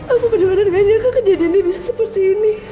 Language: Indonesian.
aku bener bener gak nyangka kejadian ini bisa seperti ini